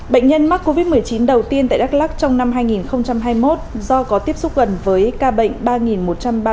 bệnh nhân mắc covid một mươi chín đầu tiên tại đắk lắc trong năm hai nghìn hai mươi một do có tiếp xúc gần với ca bệnh ba một trăm ba mươi